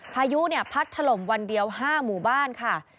พายุพัดถล่มวันเดียว๕หมู่บ้านค่ะ